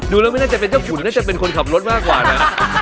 ดูแล้วไม่น่าจะเป็นเจ้าขุนน่าจะเป็นคนขับรถมากกว่านะ